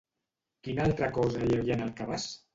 Quina altra cosa hi havia en el cabàs?